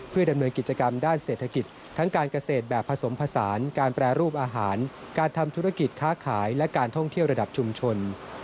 เพื่อดำเนินกิจกรรมด้านเศรษฐกิจทั้งการเกษตรแบบผสมผสานการแปรรูปอาหารการทำธุรกิจค้าขายและการท่องเที่ยวระดับชุมชน